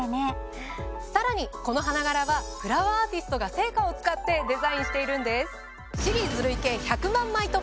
さらにこの花柄はフラワーアーティストが生花を使ってデザインしているんです。